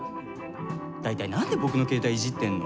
大体、なんで僕の携帯いじってんの？